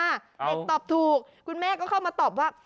เด็กตอบถูกคุณแม่ก็เข้ามาตอบว่า